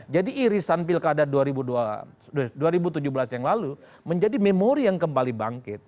jadi irisan pilkada dua ribu tujuh belas yang lalu menjadi memori yang kembali bangkit